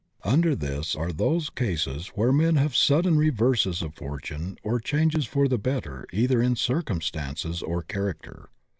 Under this are those cases where men have sudden reverses of fortune or changes for the better either in circumstances or character.